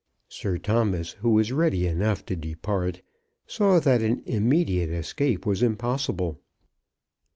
Sir Thomas, who was ready enough to depart, saw that an immediate escape was impossible.